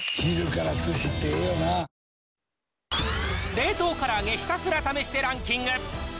冷凍から揚げひたすら試してランキング。